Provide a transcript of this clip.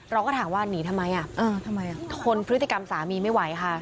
เราก็ถามว่าหนีทำไมทนพฤติกรรมสามีไม่ไหวค่ะ